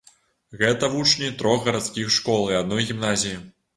Гэта вучні трох гарадскіх школ і адной гімназіі.